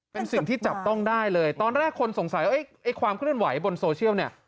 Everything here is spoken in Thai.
เป็นสิ่งที่จับต้องได้เลยตอนแรกคนสงสัยว่าไอ้ความเคลื่อนไหวบนโซเชียลเนี่ย